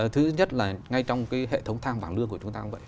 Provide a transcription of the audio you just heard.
thứ nhất là ngay trong cái hệ thống tham vàng lương của chúng ta cũng vậy